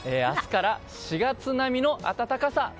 明日から４月並みの暖かさ。